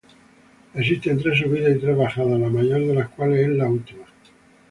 Existen tres subidas y tres bajadas, la mayor de las cuales es la última.